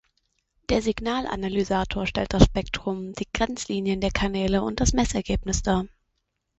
Der Signal-Analysator stellt das Spektrum, die Grenzlinien der Kanäle und das Messergebnis dar.